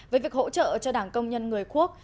với việc hỗ trợ cho đảng công nhân người quốc